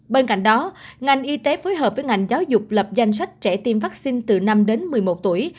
bên cạnh đó ngành y tế phối hợp với ngành giáo dục lập danh sách trẻ tiêm vaccine từ năm đến một mươi một tuổi